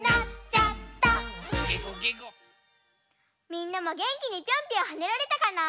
みんなもげんきにピョンピョンはねられたかな？